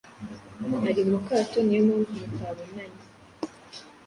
Ari mukato niyo mpamvu mutabonanye